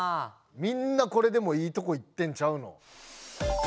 みんなこれでもいいとこいってんちゃうの。